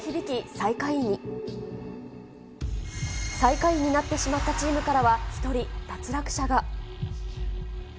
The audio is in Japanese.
最下位になってしまったチームからは、１人脱落者が。